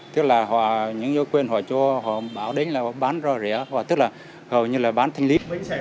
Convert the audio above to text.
tức là những giới quyền họ cho họ bảo đến là bán ra rẻ tức là hầu như là bán thành lý